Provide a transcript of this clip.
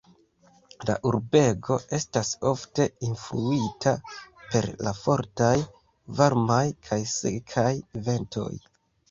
La urbego estas ofte influita per la fortaj, varmaj kaj sekaj ventoj.